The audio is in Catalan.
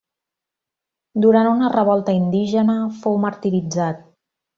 Durant una revolta indígena fou martiritzat.